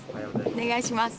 お願いします。